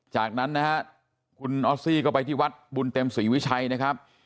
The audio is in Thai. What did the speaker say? จากนั้นนะฮะคุณออสซี่ก็ไปที่วัดบุญเต็มศรีวิชัยนะครับ